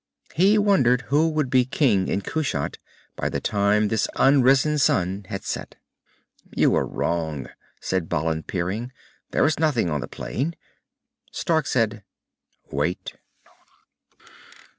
He wondered who would be king in Kushat by the time this unrisen sun had set. "You were wrong," said Balin, peering. "There is nothing on the plain." Stark said, "Wait."